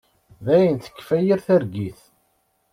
Dayen tekfa yir targit.